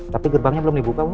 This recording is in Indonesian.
tapi gerbangnya belum dibuka